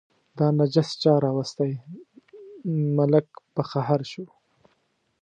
دا نجس چا راوستی، ملک په قهر شو.